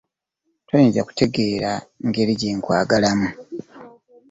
Toyinza kutegeera ngeri gye nkwagalamu.